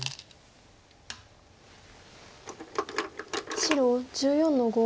白１４の五。